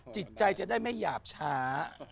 จิตใจจะได้ไม่หยาบช้า